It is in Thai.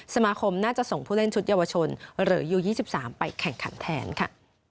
สมาคมน่าจะส่งผู้เล่นชุดเยาวชนหรือยู๒๓ไปแข่งขันแทนค่ะ